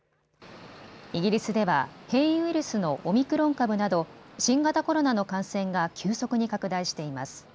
イギリスでは変異ウイルスのオミクロン株など新型コロナの感染が急速に拡大しています。